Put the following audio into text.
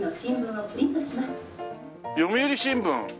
読売新聞。